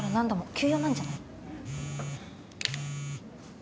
急用なんじゃない？